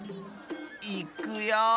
いくよ。